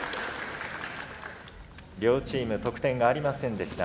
両チーム得点がありませんでした。